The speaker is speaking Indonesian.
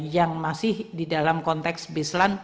yang masih di dalam konteks bisland